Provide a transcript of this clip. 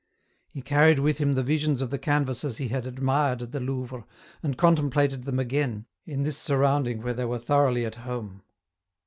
He carried with him the visions of the canvases he had admired at the Louvre, and contemplated them again, in this surrounding where they were thoroughly at home.